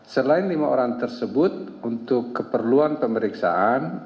selain lima orang tersebut untuk keperluan pemeriksaan